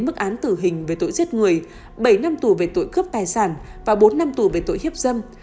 mức án tử hình về tội giết người bảy năm tù về tội cướp tài sản và bốn năm tù về tội hiếp dâm